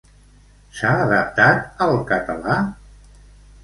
S'ha adaptat al català?